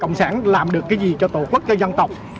cộng sản làm được cái gì cho tổ quốc cho dân tộc